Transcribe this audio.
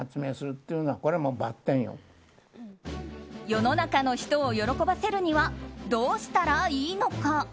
世の中の人を喜ばせるにはどうしたらいいのか。